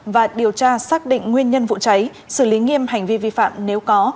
và điều tra xác định nguyên nhân vụ cháy xử lý nghiêm hành vi vi phạm nếu có